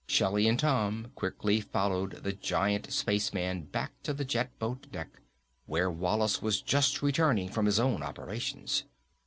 Shelly and Tom quickly followed the giant spaceman back to the jet boat deck, where Wallace was just returning from his own operations.